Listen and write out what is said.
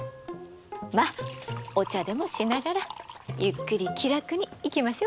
まあお茶でもしながらゆっくり気楽にいきましょうか。